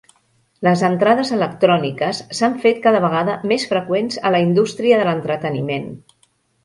Les entrades electròniques s'han fet cada vegada més freqüents a la indústria de l'entreteniment.